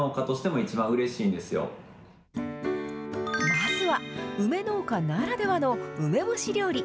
まずは、梅農家ならではの梅干し料理。